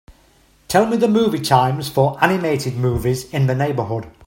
Tell me the movie times for animated movies in the neighborhood.